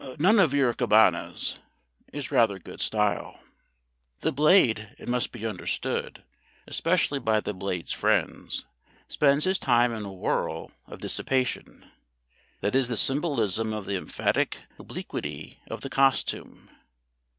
"None of your Cabanas" is rather good style. The Blade, it must be understood especially by the Blade's friends spends his time in a whirl of dissipation. That is the symbolism of the emphatic obliquity of the costume.